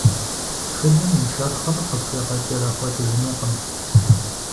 Тхыдэм и шэрхъыр къыпхуегъэкӏэрэхъуэкӏыжынукъым.